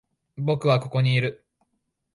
僕はここにいる。